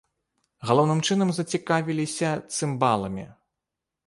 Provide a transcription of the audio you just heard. Галоўным чынам зацікавіліся цымбаламі.